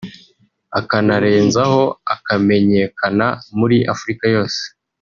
akanarenzaho akamenyekana muri Afurika yose